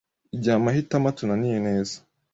igihe amahitamo atunaniye neza